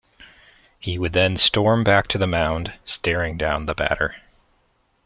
He would then storm back to the mound, staring down the batter.